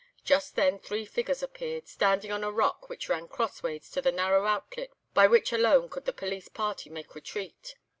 Just then three figures appeared, standing on a rock which ran crossways to the narrow outlet by which alone could the police party mak' retreat.